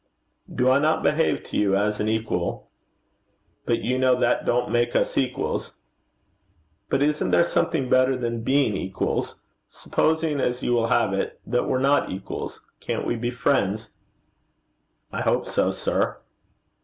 'Do I not behave to you as an equal?' 'But you know that don't make us equals.' 'But isn't there something better than being equals? Supposing, as you will have it, that we're not equals, can't we be friends?' 'I hope so, sir.'